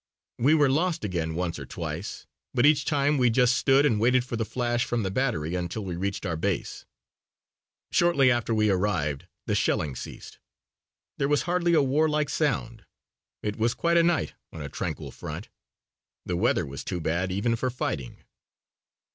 We were lost again once or twice, but each time we just stood and waited for the flash from the battery until we reached our base. Shortly after we arrived the shelling ceased. There was hardly a warlike sound. It was a quiet night on a tranquil front. The weather was too bad even for fighting.